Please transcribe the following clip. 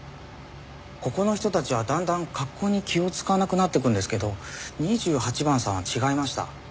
ここの人たちはだんだん格好に気を使わなくなっていくんですけど２８番さんは違いました。